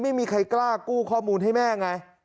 ไม่มีใครกล้ากู้ข้อมูลให้แม่ไง